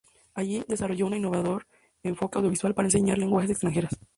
Allí, desarrolló un innovador enfoque audiovisual para enseñar lenguas extranjeras.